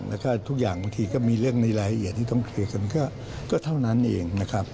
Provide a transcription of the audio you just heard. แล้วก็ทุกอย่างบางทีก็มีเรื่องในรายละเอียดที่ต้องเคลียร์กันก็เท่านั้นเองนะครับ